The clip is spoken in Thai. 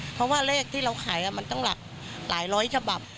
เพราะว่าเลขที่เราขายมันตั้งหลักหลายร้อยฉบับ